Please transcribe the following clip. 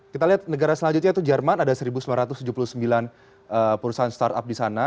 kita lihat negara selanjutnya itu jerman ada seribu sembilan ratus tujuh puluh sembilan perusahaan startup di sana